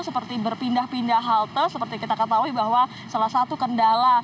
seperti berpindah pindah halte seperti kita ketahui bahwa salah satu kendala